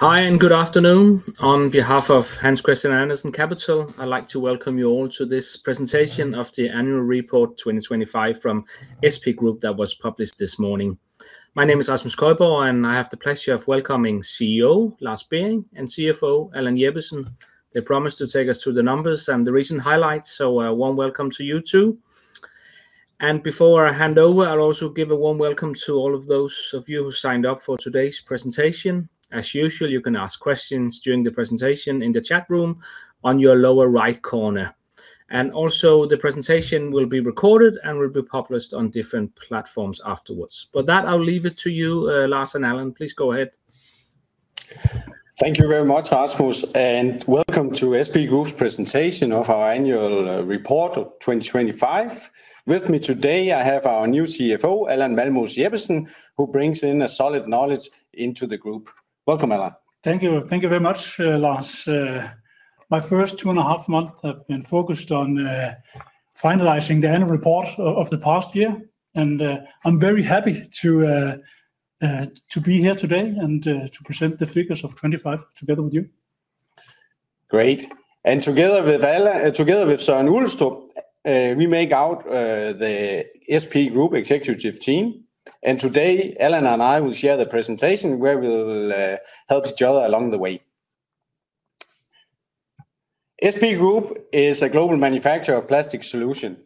Hi, good afternoon. On behalf of HC Andersen Capital, I'd like to welcome you all to this presentation of the annual report 2025 from SP Group that was published this morning. My name is Rasmus Køjborg, and I have the pleasure of welcoming CEO Lars Bering and CFO Allan Jeppesen. They promised to take us through the numbers and the recent highlights, so, warm welcome to you two. Before I hand over, I'll also give a warm welcome to all of those of you who signed up for today's presentation. As usual, you can ask questions during the presentation in the chat room on your lower right corner. Also, the presentation will be recorded and will be published on different platforms afterwards. For that, I'll leave it to you, Lars and Allan. Please go ahead. Thank you very much, Rasmus, and welcome to SP Group's presentation of our annual report of 2025. With me today, I have our new CFO, Allan Valmos Jeppesen, who brings in a solid knowledge into the group. Welcome, Allan. Thank you. Thank you very much, Lars. My first two and a half months have been focused on finalizing the annual report of the past year, and I'm very happy to be here today and to present the figures of 2025 together with you. Great. Together with Søren Ulstrup, we make out the SP Group executive team. Today, Allan and I will share the presentation where we'll help each other along the way. SP Group is a global manufacturer of plastic solution.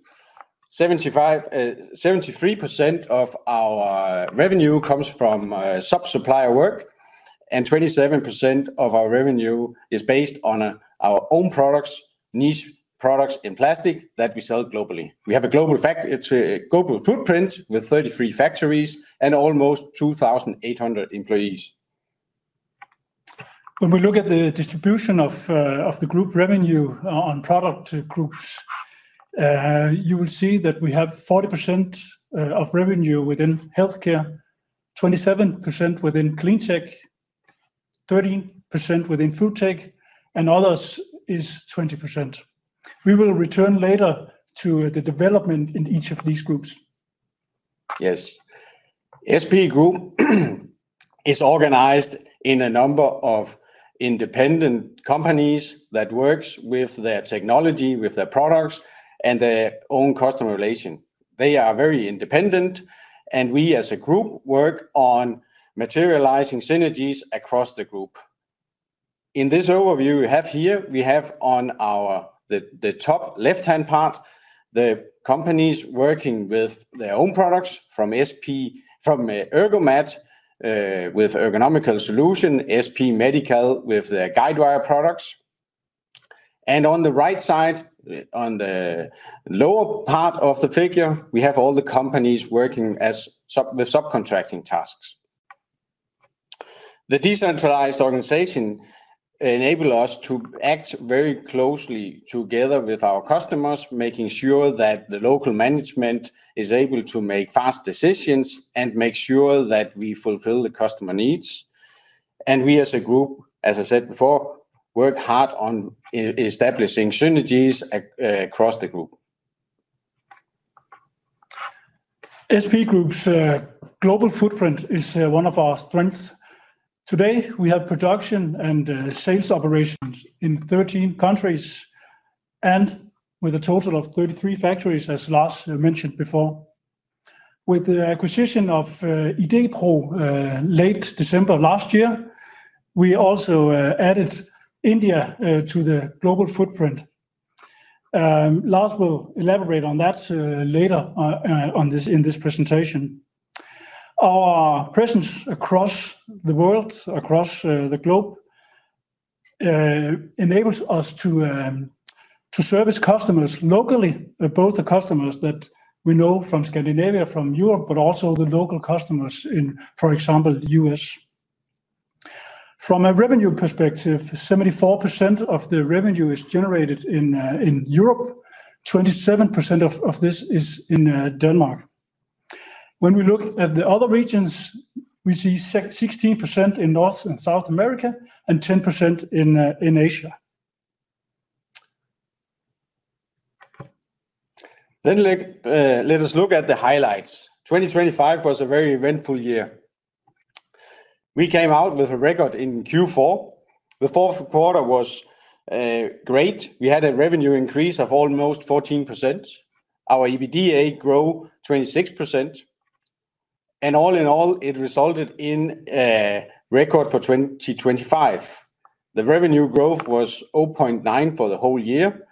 73% of our revenue comes from sub-supplier work, and 27% of our revenue is based on our own products, niche products in plastic that we sell globally. We have a global footprint with 33 factories and almost 2,800 employees. When we look at the distribution of the group revenue on product groups, you will see that we have 40% of revenue within healthcare, 27% within clean tech, 13% within food tech, and others is 20%. We will return later to the development in each of these groups. Yes. SP Group is organized in a number of independent companies that works with their technology, with their products, and their own customer relation. They are very independent, and we as a group work on materializing synergies across the group. In this overview we have here, on the top left-hand part, the companies working with their own products from SP, from Ergomat, with ergonomical solution, SP Medical with their guidewire products. On the right side, on the lower part of the figure, we have all the companies working with subcontracting tasks. The decentralized organization enable us to act very closely together with our customers, making sure that the local management is able to make fast decisions and make sure that we fulfill the customer needs. We as a group, as I said before, work hard on establishing synergies across the group. SP Group's global footprint is one of our strengths. Today, we have production and sales operations in 13 countries, and with a total of 33 factories, as Lars mentioned before. With the acquisition of Idé-Pro late December last year, we also added India to the global footprint. Lars will elaborate on that later in this presentation. Our presence across the world, across the globe enables us to service customers locally, both the customers that we know from Scandinavia, from Europe, but also the local customers in, for example, U.S. From a revenue perspective, 74% of the revenue is generated in Europe. 27% of this is in Denmark. When we look at the other regions, we see 16% in North and South America and 10% in Asia. Let us look at the highlights. 2025 was a very eventful year. We came out with a record in Q4. The fourth quarter was great. We had a revenue increase of almost 14%. Our EBITDA grow 26%. All in all, it resulted in a record for 2025. The revenue growth was 0.9% for the whole year,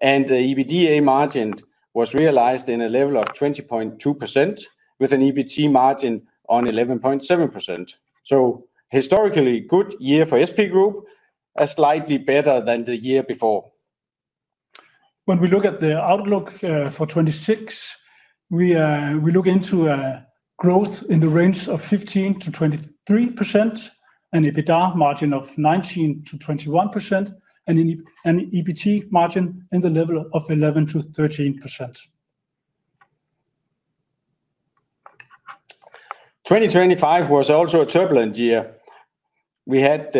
and the EBITDA margin was realized in a level of 20.2% with an EBT margin on 11.7%. Historically good year for SP Group, slightly better than the year before. When we look at the outlook for 2026, we look into a growth in the range of 15%-23%, an EBITDA margin of 19%-21%, and an EBT margin in the level of 11%-13%. 2025 was also a turbulent year. We had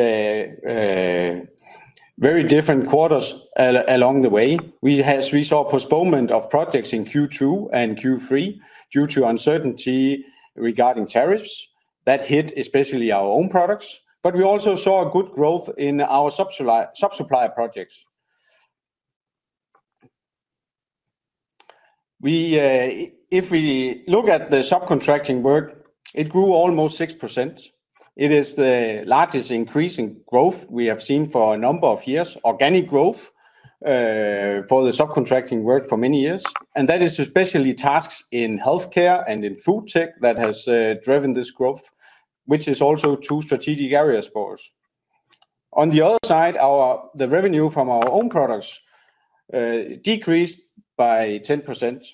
very different quarters along the way. We saw postponement of projects in Q2 and Q3 due to uncertainty regarding tariffs that hit especially our own products, but we also saw a good growth in our subsupplier projects. If we look at the subcontracting work, it grew almost 6%. It is the largest increase in growth we have seen for a number of years, organic growth, for the subcontracting work for many years, and that is especially tasks in healthcare and in food tech that has driven this growth, which is also two strategic areas for us. On the other side, the revenue from our own products decreased by 10%.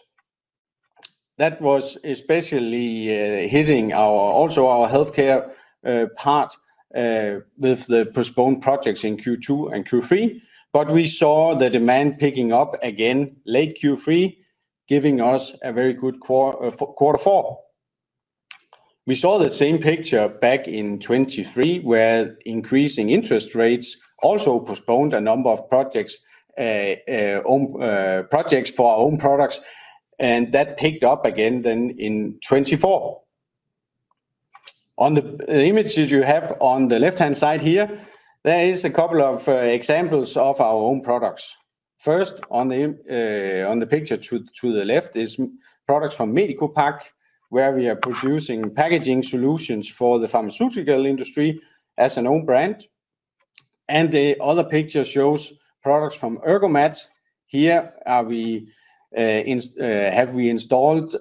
That was especially hitting our also our healthcare part with the postponed projects in Q2 and Q3, but we saw the demand picking up again late Q3, giving us a very good quarter four. We saw the same picture back in 2023, where increasing interest rates also postponed a number of projects for our own products, and that picked up again then in 2024. On the images you have on the left-hand side here, there is a couple of examples of our own products. First, on the picture to the left is our products from MedicoPack, where we are producing packaging solutions for the pharmaceutical industry as an own brand. The other picture shows products from Ergomat. We have installed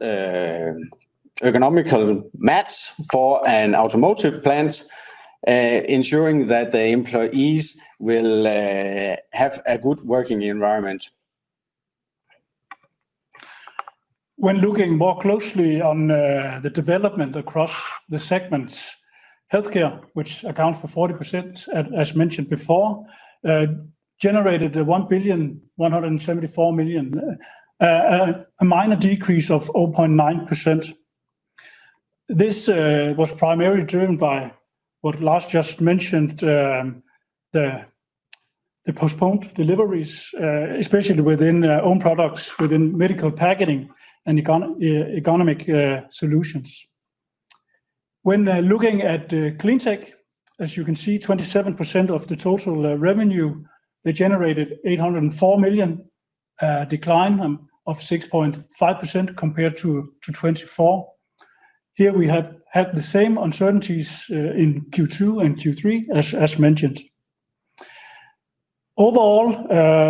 ergonomical mats for an automotive plant, ensuring that the employees will have a good working environment. When looking more closely on the development across the segments, Healthcare, which accounts for 40%, as mentioned before, generated 1,174 million, a minor decrease of 0.9%. This was primarily driven by what Lars just mentioned, the postponed deliveries, especially within own products within medical packaging and ergonomic solutions. When looking at the Cleantech, as you can see, 27% of the total revenue, they generated 804 million, decline of 6.5% compared to 2024. Here we have had the same uncertainties in Q2 and Q3, as mentioned. Overall,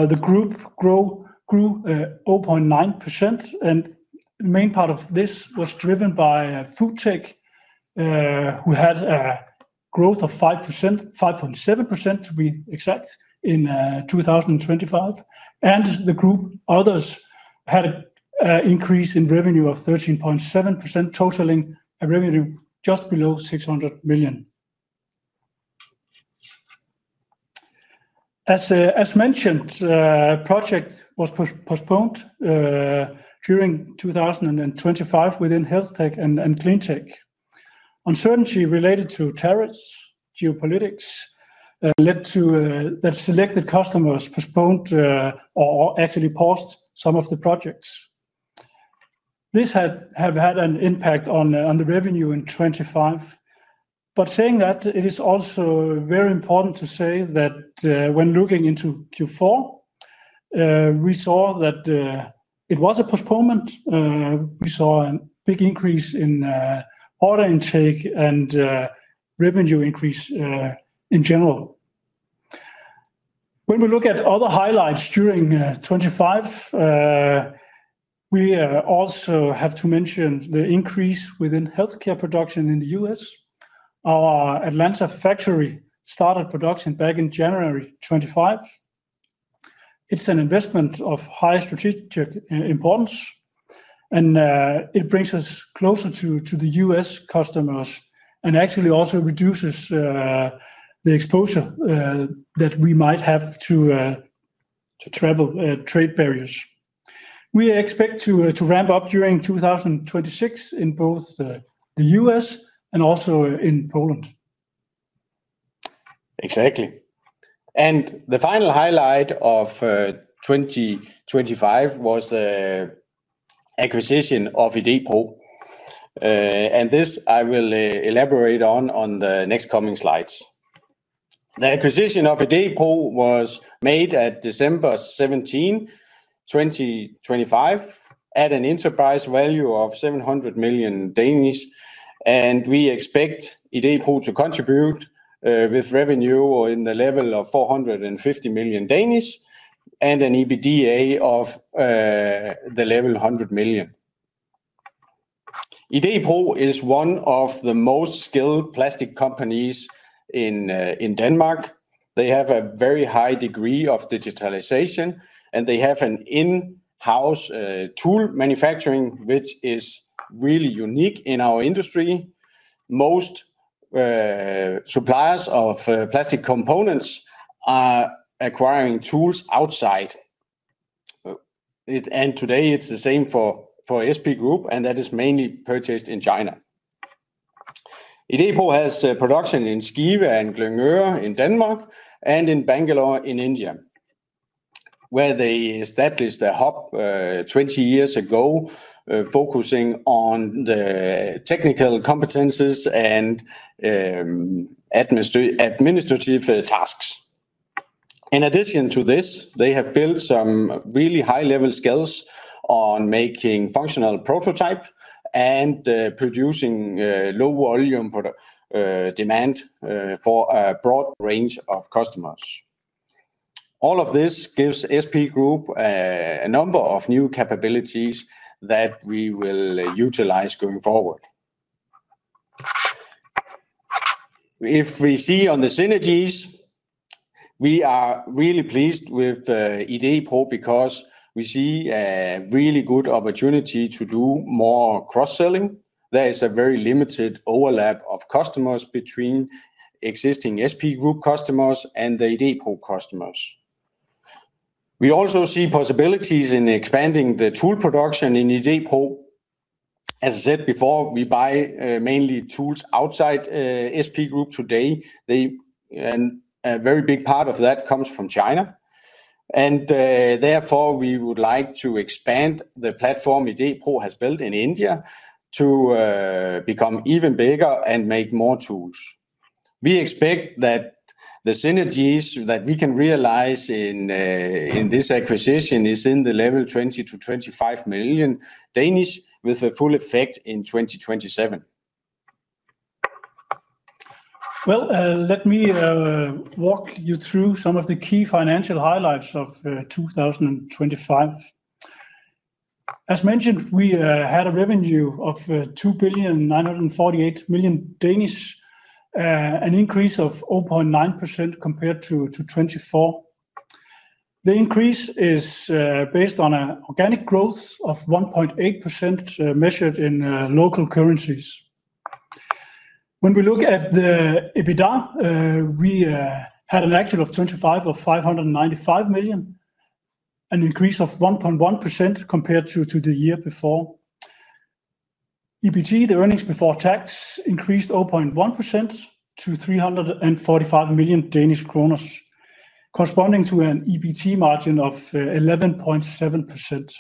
the group grew 0.9%, and main part of this was driven by FoodTech, who had a growth of 5%, 5.7% to be exact in 2025. The group others had a increase in revenue of 13.7%, totaling a revenue just below 600 million. As mentioned, project was postponed during 2025 within HealthTech and Cleantech. Uncertainty related to tariffs, geopolitics led to that selected customers postponed or actually paused some of the projects. This have had an impact on the revenue in 2025. Saying that, it is also very important to say that, when looking into Q4, we saw that it was a postponement. We saw a big increase in order intake and revenue increase in general. When we look at other highlights during 2025, we also have to mention the increase within healthcare production in the U.S. Our Atlanta factory started production back in January 2025. It's an investment of high strategic importance, and it brings us closer to the U.S. customers and actually also reduces the exposure that we might have to tariff trade barriers. We expect to ramp up during 2026 in both the U.S. and also in Poland. Exactly. The final highlight of 2025 was acquisition of Idé-Pro. This I will elaborate on the next coming slides. The acquisition of Idé-Pro was made at December 17, 2025, at an enterprise value of 700 million, and we expect Idé-Pro to contribute with revenue in the level of 450 million and an EBITDA of the level 100 million. Idé-Pro is one of the most skilled plastic companies in Denmark. They have a very high degree of digitalization, and they have an in-house tool manufacturing, which is really unique in our industry. Most suppliers of plastic components are acquiring tools outside. Today it's the same for SP Group, and that is mainly purchased in China. Idé-Pro has production in Skive and Glyngøre in Denmark and in Bangalore in India, where they established a hub 20 years ago, focusing on the technical competencies and administrative tasks. In addition to this, they have built some really high-level skills on making functional prototype and producing low volume demand for a broad range of customers. All of this gives SP Group a number of new capabilities that we will utilize going forward. If we see on the synergies, we are really pleased with Idé-Pro because we see a really good opportunity to do more cross-selling. There is a very limited overlap of customers between existing SP Group customers and the Idé-Pro customers. We also see possibilities in expanding the tool production in Idé-Pro. As I said before, we buy mainly tools outside SP Group today. A very big part of that comes from China. Therefore, we would like to expand the platform Idé-Pro has built in India to become even bigger and make more tools. We expect that the synergies that we can realize in this acquisition is in the level 20 million-25 million with a full effect in 2027. Well, let me walk you through some of the key financial highlights of 2025. As mentioned, we had a revenue of 2,948 million, an increase of 0.9% compared to 2024. The increase is based on an organic growth of 1.8%, measured in local currencies. When we look at the EBITDA, we had an actual of 255 million, an increase of 1.1% compared to the year before. EBT, the earnings before tax, increased 0.1% to 345 million Danish kroner, corresponding to an EBT margin of 11.7%.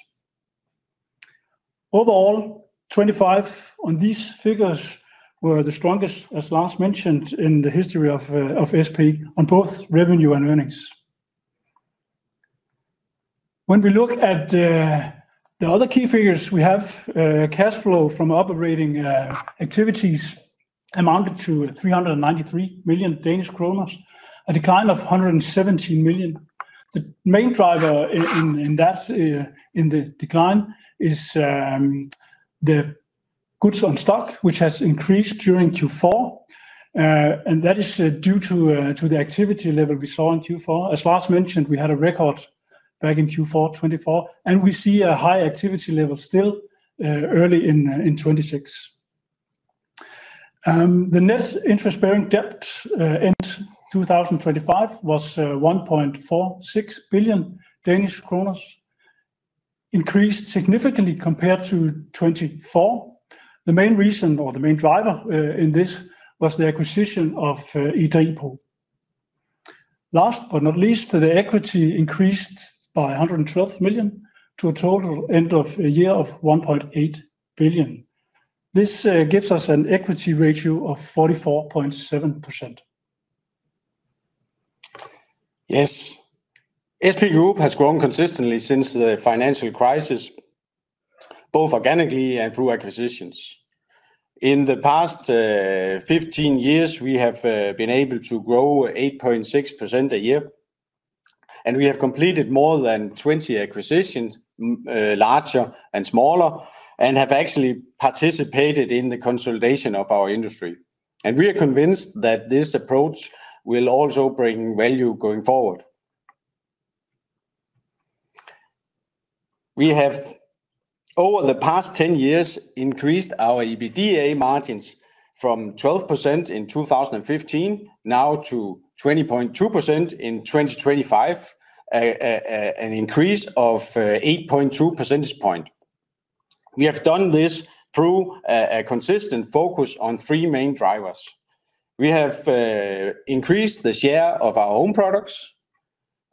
Overall, 2025 on these figures were the strongest, as Lars mentioned, in the history of SP on both revenue and earnings. When we look at the other key figures, we have cash flow from operating activities amounted to 393 million Danish kroner, a decline of 117 million. The main driver in that decline is the goods in stock, which has increased during Q4, and that is due to the activity level we saw in Q4. As Lars mentioned, we had a record back in Q4 2024, and we see a high activity level still early in 2026. The net interest-bearing debt at the end of 2025 was 1.46 billion Danish kroner, increased significantly compared to 2024. The main reason or the main driver in this was the acquisition of Idé-Pro. Last but not least, the equity increased by 112 million to a total end of year of 1.8 billion. This gives us an equity ratio of 44.7%. Yes. SP Group has grown consistently since the financial crisis, both organically and through acquisitions. In the past 15 years, we have been able to grow 8.6% a year, and we have completed more than 20 acquisitions, larger and smaller, and have actually participated in the consolidation of our industry. We are convinced that this approach will also bring value going forward. We have, over the past 10 years, increased our EBITDA margins from 12% in 2015 now to 20.2% in 2025, an increase of 8.2 percentage point. We have done this through a consistent focus on three main drivers. We have increased the share of our own products.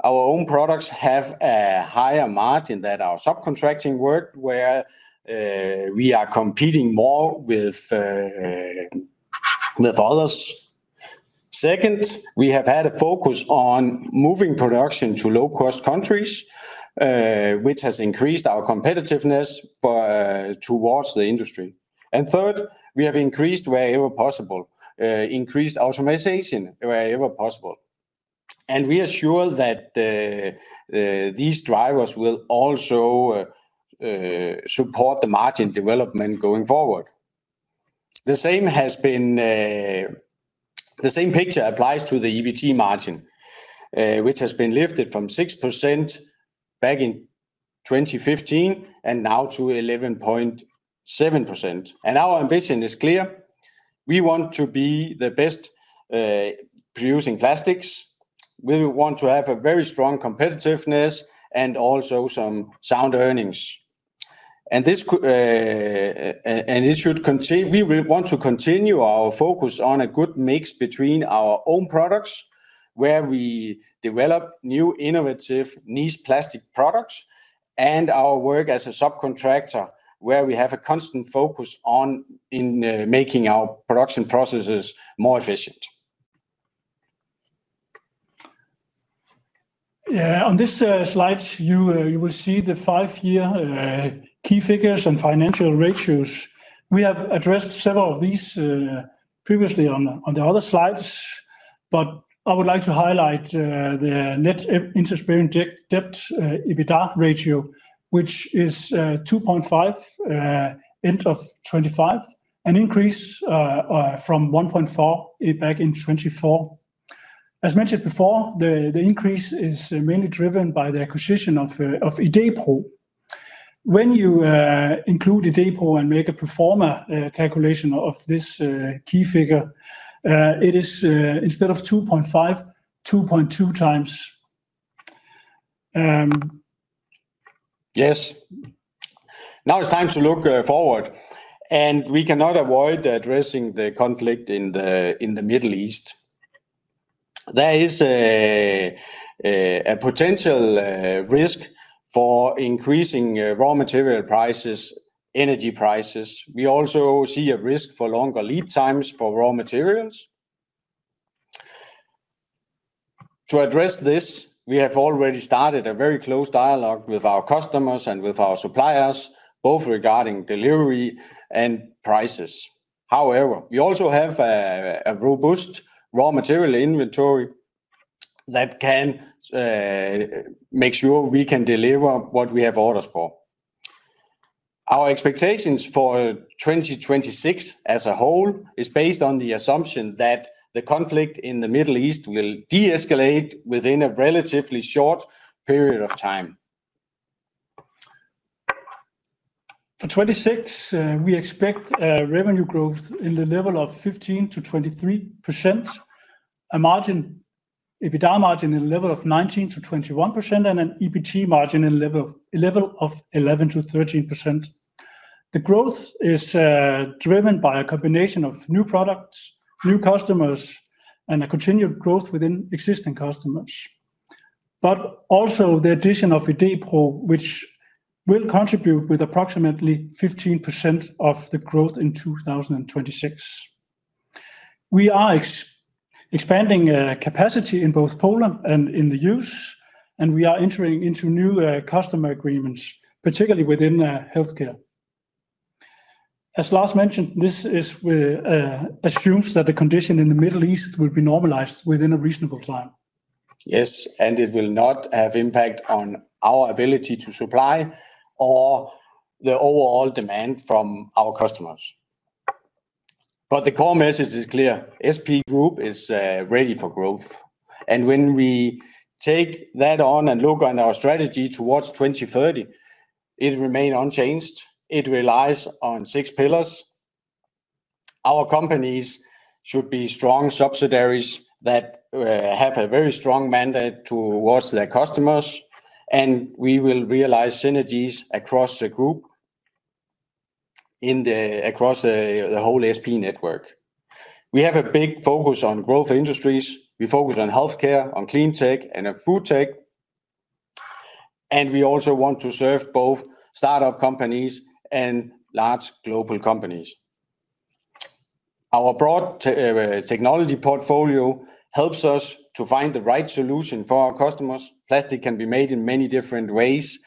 Our own products have a higher margin than our subcontracting work, where we are competing more with others. Second, we have had a focus on moving production to low-cost countries, which has increased our competitiveness towards the industry. Third, we have increased automation wherever possible. We are sure that these drivers will also support the margin development going forward. The same picture applies to the EBT margin, which has been lifted from 6% back in 2015 and now to 11.7%. Our ambition is clear. We want to be the best producing plastics. We want to have a very strong competitiveness and also some sound earnings. We will want to continue our focus on a good mix between our own products, where we develop new innovative niche plastic products, and our work as a subcontractor, where we have a constant focus on making our production processes more efficient. Yeah, on this slide, you will see the five-year key figures and financial ratios. We have addressed several of these previously on the other slides, but I would like to highlight the net interest-bearing debt EBITDA ratio, which is 2.5 end of 2025, an increase from 1.4 back in 2024. As mentioned before, the increase is mainly driven by the acquisition of Idé-Pro. When you include Idé-Pro and make a pro forma calculation of this key figure, it is instead of 2.5x, 2.2x. Yes. Now it's time to look forward, and we cannot avoid addressing the conflict in the Middle East. There is a potential risk for increasing raw material prices, energy prices. We also see a risk for longer lead times for raw materials. To address this, we have already started a very close dialogue with our customers and with our suppliers, both regarding delivery and prices. However, we also have a robust raw material inventory that can make sure we can deliver what we have orders for. Our expectations for 2026 as a whole is based on the assumption that the conflict in the Middle East will de-escalate within a relatively short period of time. For 2026, we expect revenue growth in the level of 15%-23%, an EBITDA margin in the level of 19%-21%, and an EBT margin in the level of 11%-13%. The growth is driven by a combination of new products, new customers, and a continued growth within existing customers, but also the addition of Idé-Pro, which will contribute with approximately 15% of the growth in 2026. We are expanding capacity in both Poland and in the U.S., and we are entering into new customer agreements, particularly within healthcare. As Lars mentioned, this assumes that the condition in the Middle East will be normalized within a reasonable time. Yes, it will not have impact on our ability to supply or the overall demand from our customers. The core message is clear: SP Group is ready for growth. When we take that on and look on our strategy towards 2030, it remain unchanged. It relies on six pillars. Our companies should be strong subsidiaries that have a very strong mandate towards their customers, and we will realize synergies across the group, across the whole SP network. We have a big focus on growth industries. We focus on healthcare, on clean tech, and on food tech, and we also want to serve both startup companies and large global companies. Our broad technology portfolio helps us to find the right solution for our customers. Plastic can be made in many different ways,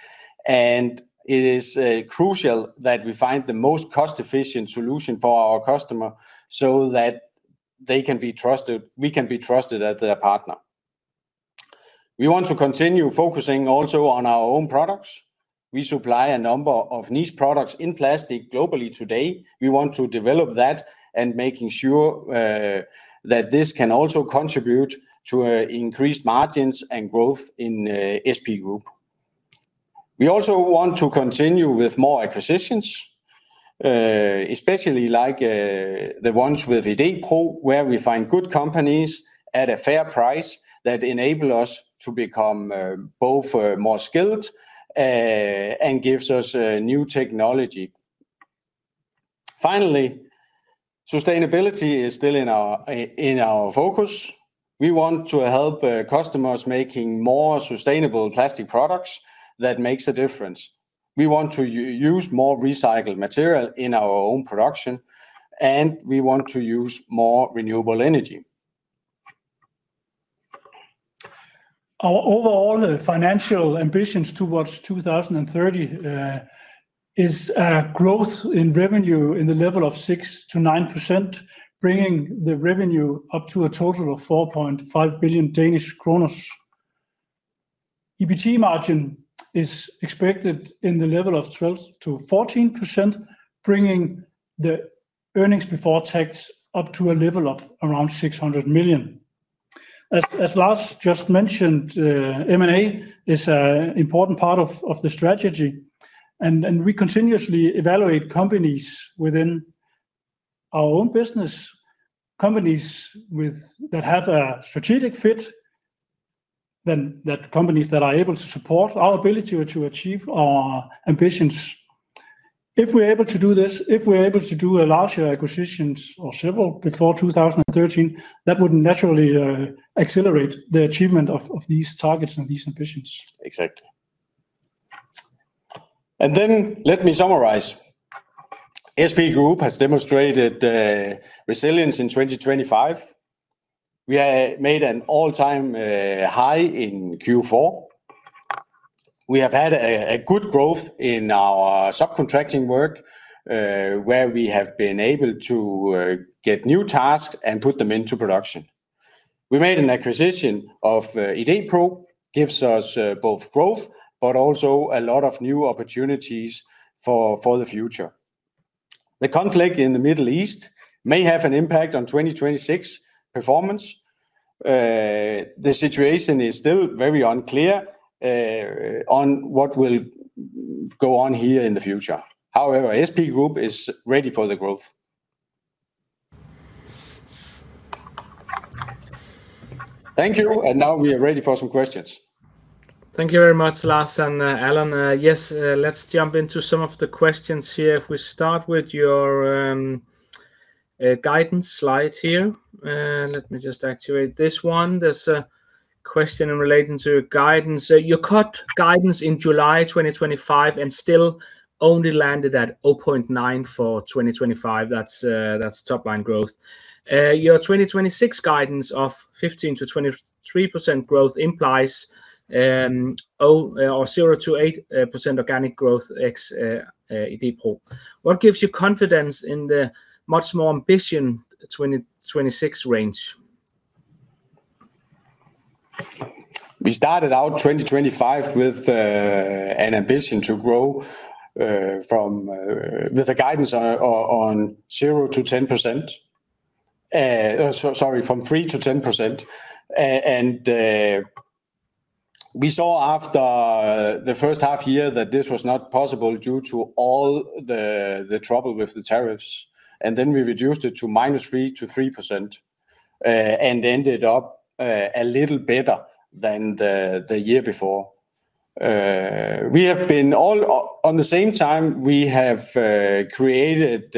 and it is crucial that we find the most cost-efficient solution for our customer, so that they can be trusted, we can be trusted as their partner. We want to continue focusing also on our own products. We supply a number of niche products in plastic globally today. We want to develop that and making sure that this can also contribute to increased margins and growth in SP Group. We also want to continue with more acquisitions, especially like the ones with Idé-Pro, where we find good companies at a fair price that enable us to become both more skilled and gives us new technology. Finally, sustainability is still in our focus. We want to help customers making more sustainable plastic products that makes a difference. We want to use more recycled material in our own production, and we want to use more renewable energy. Our overall financial ambitions towards 2030 is growth in revenue in the level of 6%-9%, bringing the revenue up to a total of 4.5 billion Danish kroner. EBT margin is expected in the level of 12%-14%, bringing the earnings before tax up to a level of around 600 million. As Lars just mentioned, M&A is an important part of the strategy, and we continuously evaluate companies within our own business, companies that have a strategic fit Those companies that are able to support our ability to achieve our ambitions. If we're able to do this, if we're able to do a larger acquisitions or several before 2013, that would naturally accelerate the achievement of these targets and these ambitions. Exactly. Let me summarize. SP Group has demonstrated resilience in 2025. We have made an all-time high in Q4. We have had a good growth in our subcontracting work, where we have been able to get new tasks and put them into production. We made an acquisition of Idé-Pro gives us both growth, but also a lot of new opportunities for the future. The conflict in the Middle East may have an impact on 2026 performance. The situation is still very unclear on what will go on here in the future. However, SP Group is ready for the growth. Thank you, and now we are ready for some questions. Thank you very much, Lars and Allan. Let's jump into some of the questions here. If we start with your guidance slide here. Let me just activate this one. There's a question in relation to guidance. You cut guidance in July 2025 and still only landed at 0.9% for 2025. That's top line growth. Your 2026 guidance of 15%-23% growth implies zero to 8% organic growth ex Idé-Pro. What gives you confidence in the much more ambitious 2026 range? We started out 2025 with an ambition to grow with a guidance on 0%-10%. Sorry, from 3%-10%. We saw after the first half year that this was not possible due to all the trouble with the tariffs, and then we reduced it to -3% to 3%. We ended up a little better than the year before. At the same time, we have created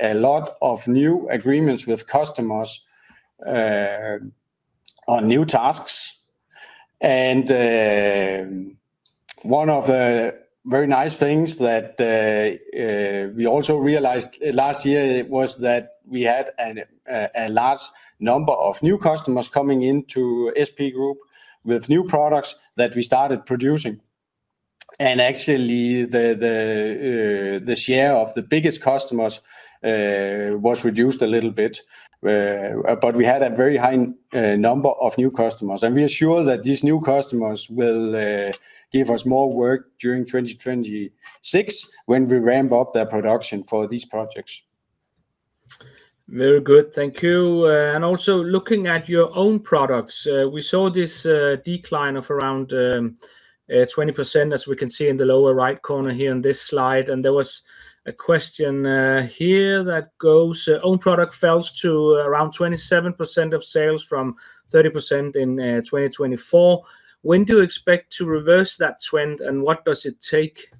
a lot of new agreements with customers on new tasks. One of the very nice things that we also realized last year was that we had a large number of new customers coming into SP Group with new products that we started producing. Actually, the share of the biggest customers was reduced a little bit. We had a very high number of new customers, and we are sure that these new customers will give us more work during 2026 when we ramp up their production for these projects. Very good. Thank you. Also looking at your own products, we saw this decline of around 20%, as we can see in the lower right corner here on this slide. There was a question here that goes, "Own product fell to around 27% of sales from 30% in 2024. When do you expect to reverse that trend, and what does it take?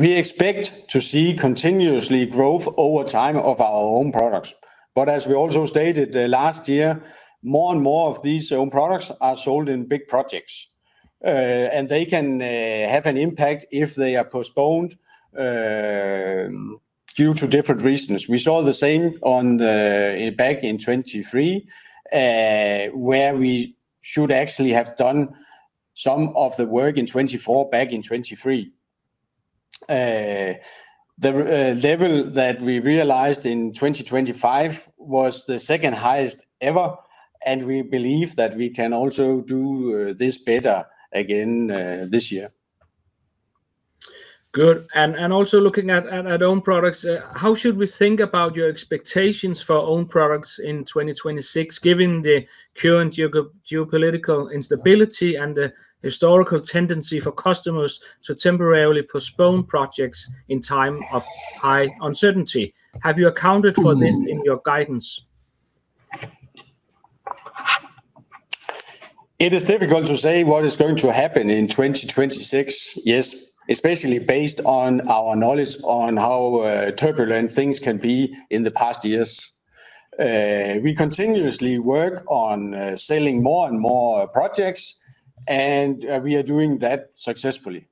We expect to see continuously growth over time of our own products. As we also stated last year, more and more of these own products are sold in big projects. They can have an impact if they are postponed due to different reasons. We saw the same back in 2023, where we should actually have done some of the work in 2024 back in 2023. The level that we realized in 2025 was the second highest ever, and we believe that we can also do this better again this year. Good. Also looking at own products, how should we think about your expectations for own products in 2026, given the current geopolitical instability and the historical tendency for customers to temporarily postpone projects in time of high uncertainty? Have you accounted for this in your guidance? It is difficult to say what is going to happen in 2026, yes, especially based on our knowledge on how turbulent things can be in the past years. We continuously work on selling more and more projects, and we are doing that successfully.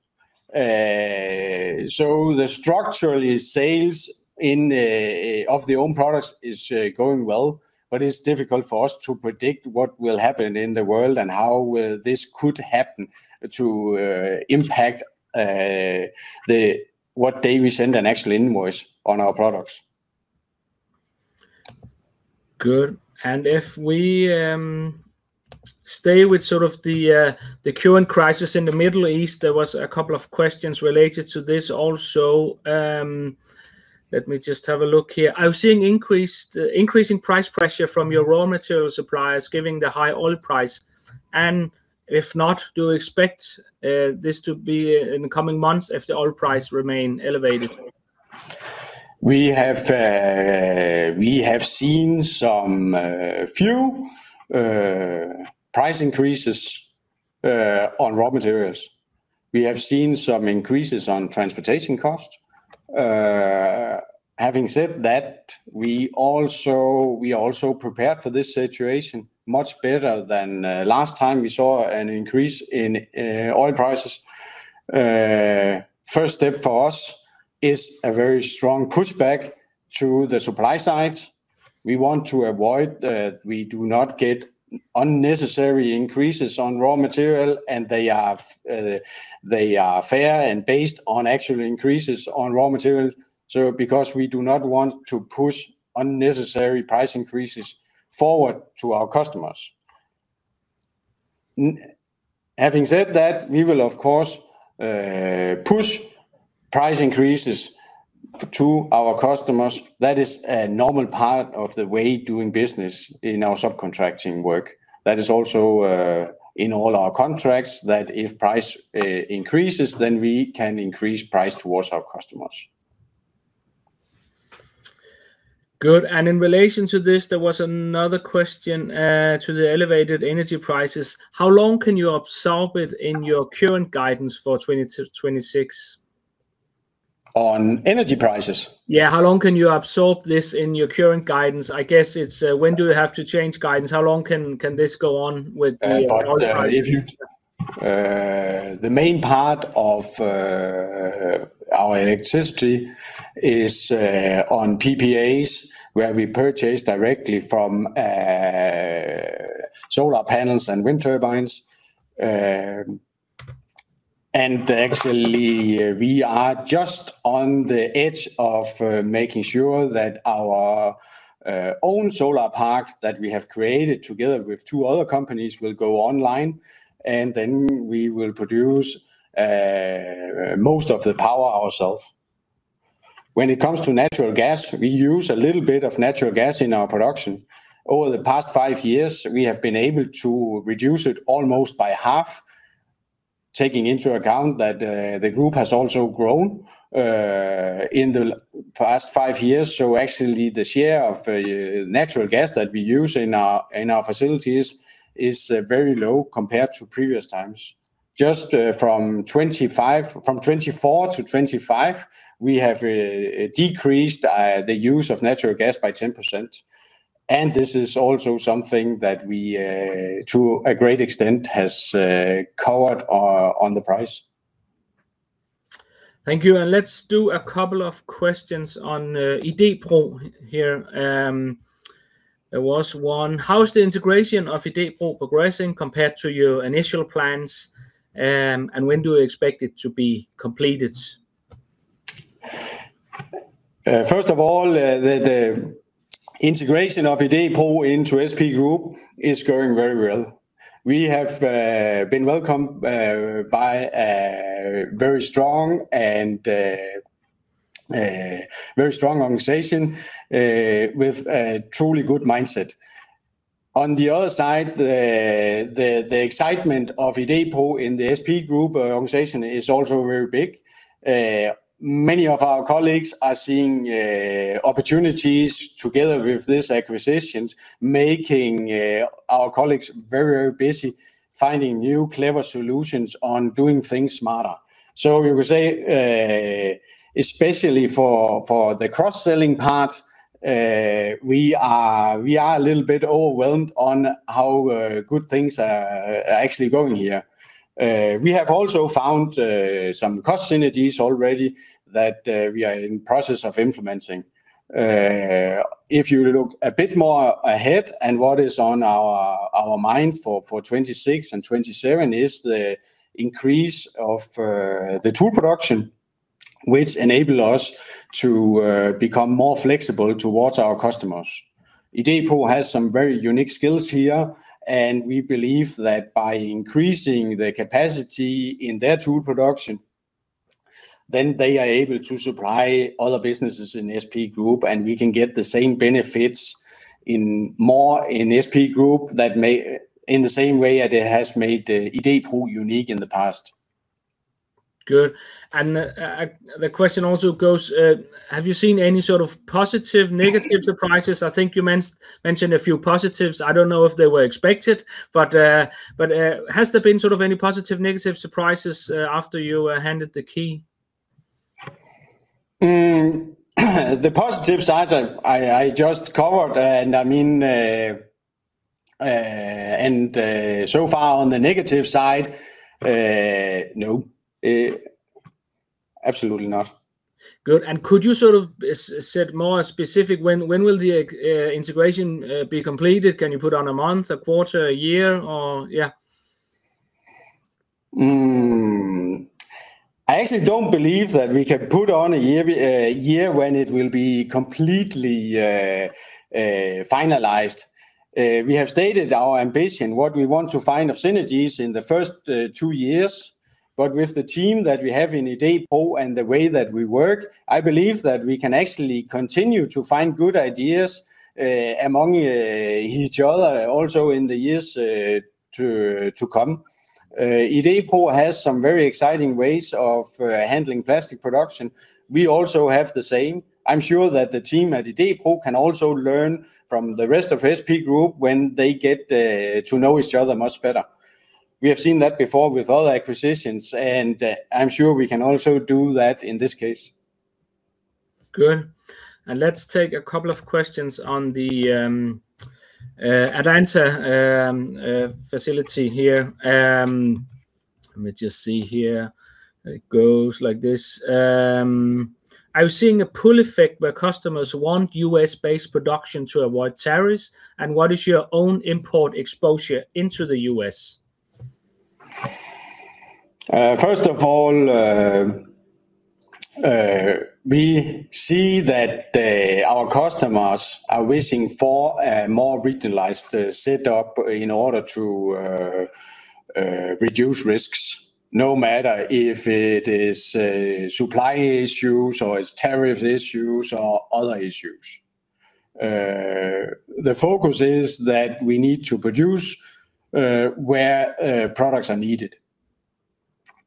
The structural sales of our own products is going well, but it's difficult for us to predict what will happen in the world and how this could happen to impact the date we send an actual invoice on our products. Good. If we stay with sort of the current crisis in the Middle East, there was a couple of questions related to this also. Let me just have a look here. I'm seeing increasing price pressure from your raw material suppliers given the high oil price. If not, do you expect this to be in the coming months if the oil price remains elevated? We have seen some few price increases on raw materials. We have seen some increases on transportation costs. Having said that, we also prepared for this situation much better than last time we saw an increase in oil prices. First step for us is a very strong push back to the supply side. We want to avoid that we do not get unnecessary increases on raw material, and they are fair and based on actual increases on raw materials so because we do not want to push unnecessary price increases forward to our customers. Having said that, we will of course push price increases to our customers. That is a normal part of the way doing business in our subcontracting work. That is also in all our contracts, that if price increases, then we can increase price towards our customers. Good. In relation to this, there was another question to the elevated energy prices. How long can you absorb it in your current guidance for 2026? On energy prices? Yeah. How long can you absorb this in your current guidance? I guess it's, when do you have to change guidance? How long can this go on with the oil price? The main part of our electricity is on PPAs, where we purchase directly from solar panels and wind turbines. Actually, we are just on the edge of making sure that our own solar parks that we have created together with two other companies will go online, and then we will produce most of the power ourselves. When it comes to natural gas, we use a little bit of natural gas in our production. Over the past five years, we have been able to reduce it almost by half, taking into account that the group has also grown in the past five years. Actually, the share of natural gas that we use in our facilities is very low compared to previous times. Just from 2024 to 2025, we have decreased the use of natural gas by 10%, and this is also something that we, to a great extent, have covered our on the price. Thank you, and let's do a couple of questions on Idé-Pro here. There was one. How is the integration of Idé-Pro progressing compared to your initial plans? When do you expect it to be completed? First of all, the integration of Idé-Pro into SP Group is going very well. We have been welcomed by a very strong organization with a truly good mindset. On the other side, the excitement of Idé-Pro in the SP Group organization is also very big. Many of our colleagues are seeing opportunities together with these acquisitions, making our colleagues very busy finding new clever solutions on doing things smarter. We would say, especially for the cross-selling part, we are a little bit overwhelmed on how good things are actually going here. We have also found some cost synergies already that we are in process of implementing. If you look a bit more ahead and what is on our mind for 2026 and 2027 is the increase of the tool production, which enable us to become more flexible towards our customers. Idé-Pro has some very unique skills here, and we believe that by increasing the capacity in their tool production, then they are able to supply other businesses in SP Group, and we can get the same benefits in more in SP Group that may in the same way that it has made Idé-Pro unique in the past. Good. The question also goes, have you seen any sort of positive, negative surprises? I think you mentioned a few positives. I don't know if they were expected, but has there been sort of any positive, negative surprises after you were handed the key? The positive sides I just covered, and I mean, so far on the negative side, no. Absolutely not. Good. Could you sort of say more specific when the integration be completed? Can you pin on a month, a quarter, a year, or yeah? I actually don't believe that we can put on a year when it will be completely finalized. We have stated our ambition, what we want to find of synergies in the first two years. With the team that we have in Idé-Pro and the way that we work, I believe that we can actually continue to find good ideas among each other also in the years to come. Idé-Pro has some very exciting ways of handling plastic production. We also have the same. I'm sure that the team at Idé-Pro can also learn from the rest of SP Group when they get to know each other much better. We have seen that before with other acquisitions, and I'm sure we can also do that in this case. Good. Let's take a couple of questions on the Atlanta facility here. Let me just see here. It goes like this. Are you seeing a pull effect where customers want U.S.-based production to avoid tariffs? And what is your own import exposure into the U.S.? First of all, we see that our customers are wishing for a more regionalized setup in order to reduce risks, no matter if it is supply issues or it's tariff issues or other issues. The focus is that we need to produce where products are needed,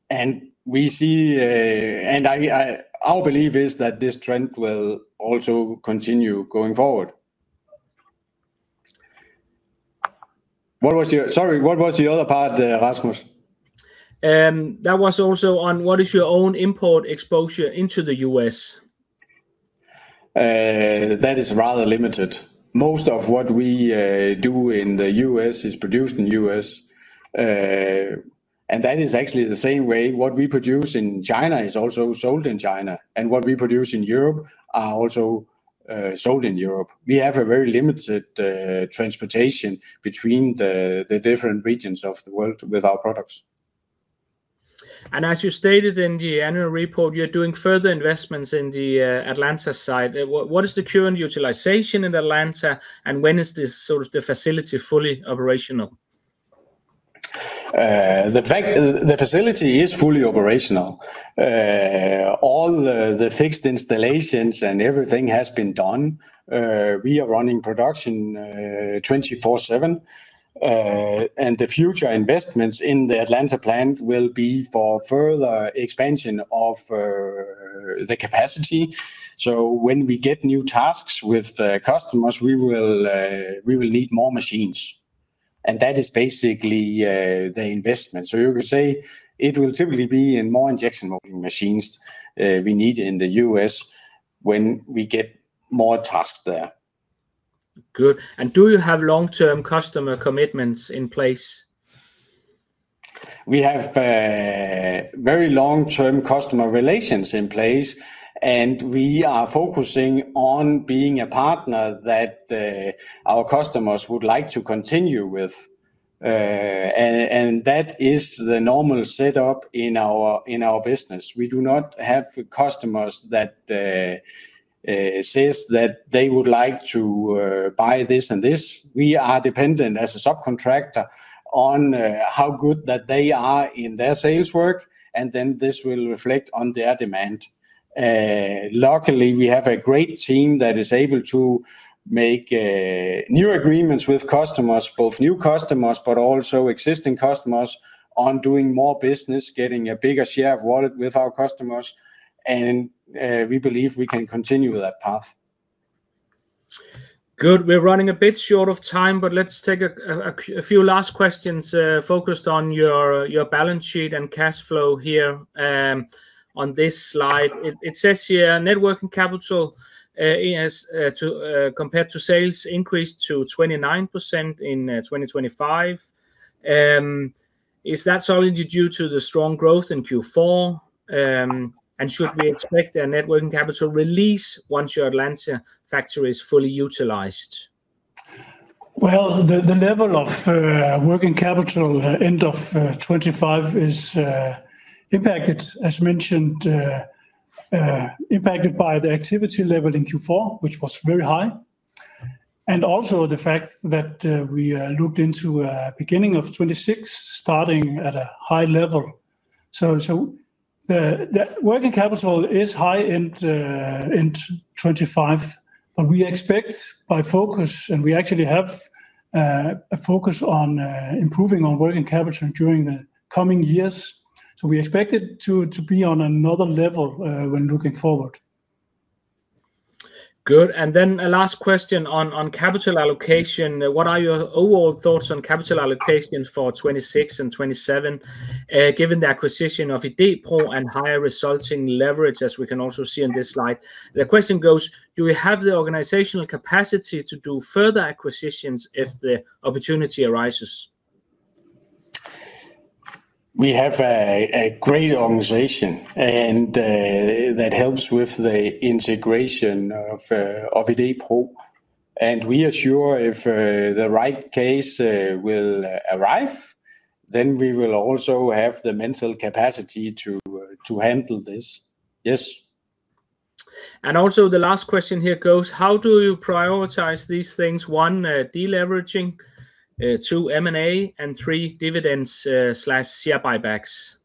and we see our belief is that this trend will also continue going forward. Sorry, what was the other part, Rasmus? That was also on what is your own import exposure into the U.S.? That is rather limited. Most of what we do in the U.S. is produced in the U.S., and that is actually the same way what we produce in China is also sold in China, and what we produce in Europe are also sold in Europe. We have a very limited transportation between the different regions of the world with our products. As you stated in the annual report, you're doing further investments in the Atlanta site. What is the current utilization in Atlanta, and when is this sort of the facility fully operational? The facility is fully operational. All the fixed installations and everything has been done. We are running production 24/7. The future investments in the Atlanta plant will be for further expansion of the capacity. When we get new tasks with the customers, we will need more machines, and that is basically the investment. You could say it will typically be in more injection molding machines we need in the U.S. when we get more tasks there. Good. Do you have long-term customer commitments in place? We have very long-term customer relations in place, and we are focusing on being a partner that our customers would like to continue with. That is the normal setup in our business. We do not have customers that says that they would like to buy this and this. We are dependent as a subcontractor on how good that they are in their sales work, and then this will reflect on their demand. Luckily, we have a great team that is able to make new agreements with customers, both new customers but also existing customers, on doing more business, getting a bigger share of wallet with our customers and we believe we can continue with that path. Good. We're running a bit short of time, but let's take a few last questions focused on your balance sheet and cash flow here on this slide. It says here net working capital compared to sales increased to 29% in 2025. Is that solely due to the strong growth in Q4? Should we expect a net working capital release once your Atlanta factory is fully utilized? Well, the level of working capital end of 2025 is impacted, as mentioned, by the activity level in Q4, which was very high, and also the fact that we looked into beginning of 2026, starting at a high level. The working capital is high in 2025, but we expect by focus, and we actually have a focus on improving our working capital during the coming years. We expect it to be on another level when looking forward. Good. A last question on capital allocation. What are your overall thoughts on capital allocation for 2026 and 2027, given the acquisition of Idé-Pro and higher resulting leverage, as we can also see on this slide? The question goes: Do we have the organizational capacity to do further acquisitions if the opportunity arises? We have a great organization, and that helps with the integration of Idé-Pro, and we are sure if the right case will arrive, then we will also have the mental capacity to handle this. Yes. The last question here goes: How do you prioritize these things, one, deleveraging, two, M&A, and three, dividends slash share buybacks?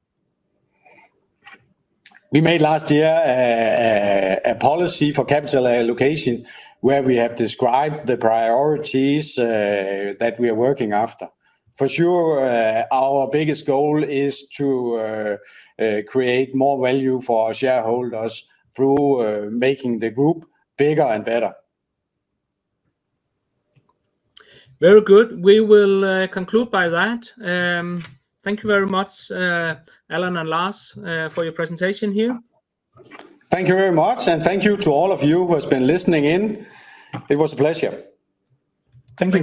We made last year a policy for capital allocation where we have described the priorities that we are working after. For sure, our biggest goal is to create more value for our shareholders through making the group bigger and better. Very good. We will conclude by that. Thank you very much, Allan and Lars, for your presentation here. Thank you very much, and thank you to all of you who has been listening in. It was a pleasure. Thank you.